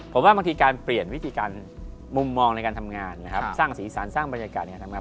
ผมว่าบางทีการเปลี่ยนวิธีการมุมมองในการทำงานนะครับสร้างสีสันสร้างบรรยากาศในการทำงาน